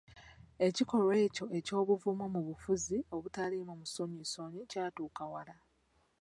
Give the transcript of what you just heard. Ekikolwa ekyo eky'obuvumu mu bufuzi obutaliimu mansonyinsonyi kyatuuka wala.